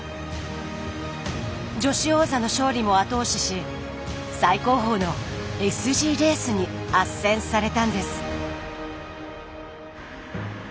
女子王座の勝利も後押しし最高峰のＳＧレースに斡旋されたんです。